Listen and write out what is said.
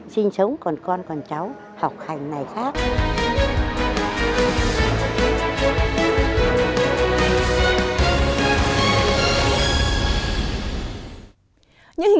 xin kính chào tạm biệt